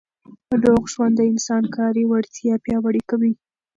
روغ ژوند د انسان کاري وړتیا پیاوړې کوي.